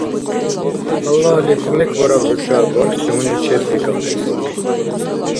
Аллагьли кумекбараб хӏушаб бархьси гьуни чеббикӏахъес!